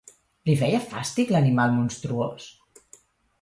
Li feia fastig l'animal monstruós?